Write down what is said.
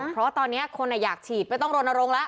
เพราะว่าตอนนี้คนไหนอยากฉีดไม่ต้องโรนโรงละ